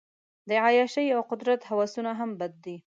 د عیاشۍ او قدرت هوسونه هم بد دي.